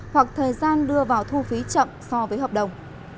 hoặc thời gian đưa vào thu phí chậm so với hợp đồng